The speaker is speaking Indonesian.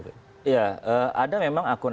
ya ada memang akun akun